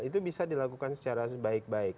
itu bisa dilakukan secara baik baik